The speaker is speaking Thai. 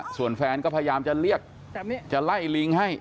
ส่วนแฟนก็พยายามจะเรียกจะไล่ลิงให้